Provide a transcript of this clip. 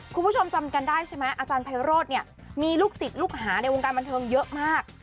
คุณผู้ชมจำกันได้ใช่ไหมอาจารย์ไพโรธเนี่ยมีลูกศิษย์ลูกหาในวงการบันเทิงเยอะมาก